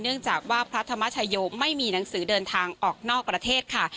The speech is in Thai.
เนื่องจากว่าพระธรรมชโยไม่มีหนังสือเดินทางออกนอกประเทศค่ะ